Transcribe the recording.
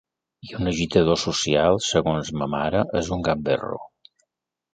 I un agitador social, segons ma mare, és un gamberro.